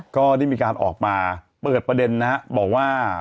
ก็ได้มีการออกมาเปิดประเด็นนะครับบอกว่า